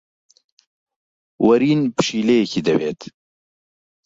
وەرین پشیلەیەکی دەوێت.